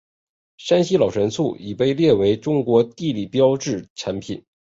山西老陈醋已经被列为中国地理标志产品。